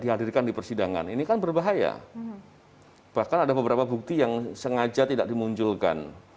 dihadirkan di persidangan ini kan berbahaya bahkan ada beberapa bukti yang sengaja tidak dimunculkan